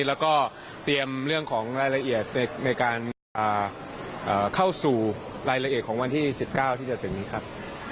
แล้วก็เตรียมเรื่องของรายละเอียดในการเข้าสู่รายละเอียดของวันที่๑๙ที่จะถึงนี้ครับ